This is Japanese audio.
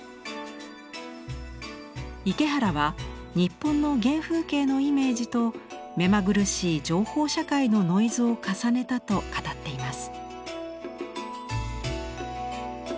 池原は「日本の原風景のイメージと目まぐるしい情報社会のノイズを重ねた」と語っています。